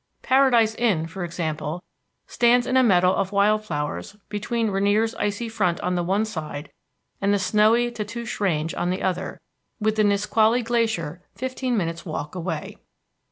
Paradise Inn, for example, stands in a meadow of wild flowers between Rainier's icy front on the one side and the snowy Tatoosh Range on the other, with the Nisqually Glacier fifteen minutes' walk away!